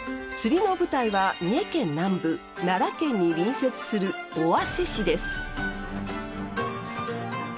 釣りの舞台は三重県南部奈良県に隣接する尾鷲市です。